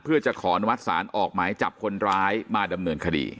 เพื่อจะขออนุมัติศาลออกหมายจับคนร้ายมาดำเนินคดี